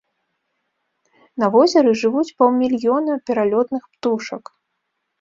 На возеры жывуць паўмільёна пералётных птушак.